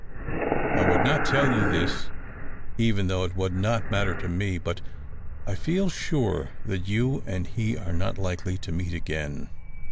I would not tell you this, even though it would not matter to me, but I feel sure that you and he are not likely to meet again.